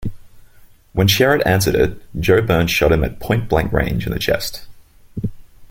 When Sherritt answered it, Joe Byrne shot him at point-blank range in the chest.